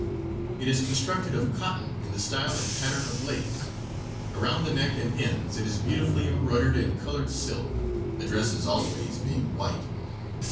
It is constructed of cotton in the style and pattern of lace. Around the neck and ends it is beautifully embroidered in colored silk, the dresses always being white.